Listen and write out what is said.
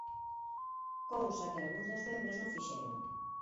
Cousa que algúns dos membros non fixeron.